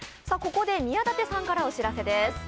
ここで宮舘さんからお知らせです。